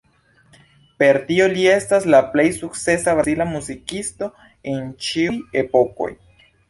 Per tio li estas la plej sukcesa brazila muzikisto el ĉiuj epokoj.